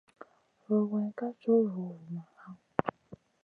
Rugayn ká co vo vumaʼa.